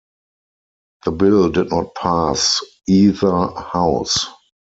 The bill did not pass either house.